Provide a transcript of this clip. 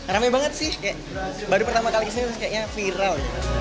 ramai banget sih kayak baru pertama kali kayaknya viral